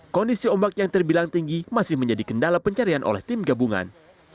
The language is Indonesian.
kondisi ombak yang terbilang tinggi masih menjadi kendala pencarian oleh tim gabungan